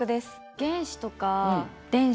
原子とか電子